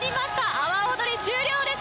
阿波おどり、終了です。